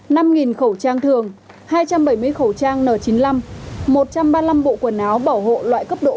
năm khẩu trang thường hai trăm bảy mươi khẩu trang n chín mươi năm một trăm ba mươi năm bộ quần áo bảo hộ loại cấp độ bốn